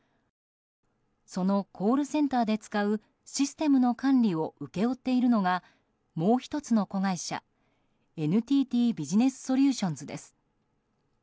そのコールセンターで使うシステムの管理を請け負っているのがもう１つの子会社ＮＴＴビジネスソリューションズです。